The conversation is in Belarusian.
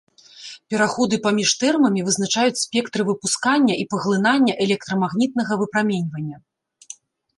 Пераходы паміж тэрмамі вызначаюць спектры выпускання і паглынання электрамагнітнага выпраменьвання.